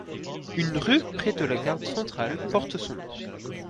Une rue, près de la gare centrale, porte son nom.